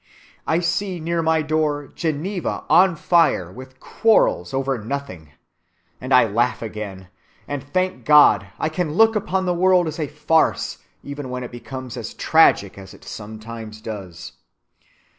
I see near my door Geneva on fire with quarrels over nothing, and I laugh again; and, thank God, I can look upon the world as a farce even when it becomes as tragic as it sometimes does.